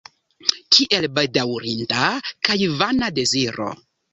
Kiel bedaŭrinda kaj vana deziro!